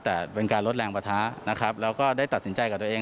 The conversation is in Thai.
แต่เป็นการลดแรงปะทะนะครับแล้วก็ได้ตัดสินใจกับตัวเอง